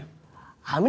minta sama bapak